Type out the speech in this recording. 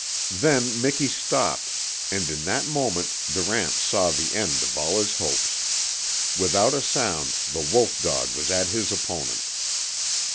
Then Miki stopped, and in that moment Durant saw the end of all his hopes. Without a sound the wolf dog was at his opponent.